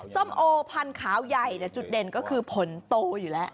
ส้มโอพันธุ์ใหญ่จุดเด่นก็คือผลโตอยู่แล้ว